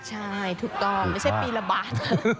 ใช่ถูกต้องไม่ใช่ปีละบาท